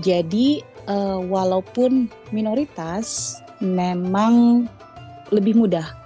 jadi walaupun minoritas memang lebih mudah